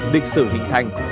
hai địch sử hình thành